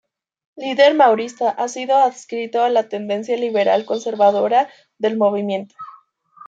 Líder maurista, ha sido adscrito a la tendencia liberal-conservadora del movimiento.